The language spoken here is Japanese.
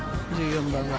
１４番は。